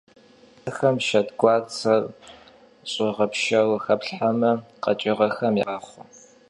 Hesexem şşedguartser ş'ığepşşeru xeplhheme, kheç'ığexem ya bevağır kuedç'e xêğaxhue.